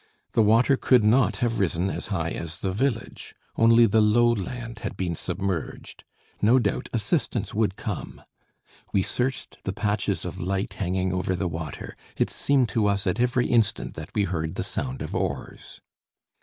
The water could not have risen as high as the village; only the low land had been submerged. No doubt assistance would come. We searched the patches of light hanging over the water; it seemed to us at every instant that we heard the sound of oars.